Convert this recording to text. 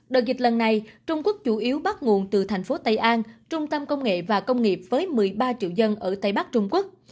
đợt dịch lần này trung quốc chủ yếu bắt nguồn từ thành phố tây an trung tâm công nghệ và công nghiệp với một mươi ba triệu dân ở tây bắc trung quốc